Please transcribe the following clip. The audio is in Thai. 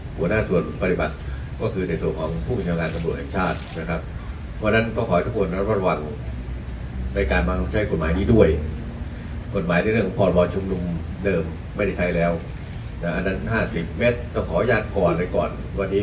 หัวหน้าส่วนปฏิบัติหัวหน้าผู้ผิดชาวงานสำรวจแถวแข่งชาติ